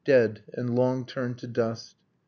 . Dead, and long turned to dust .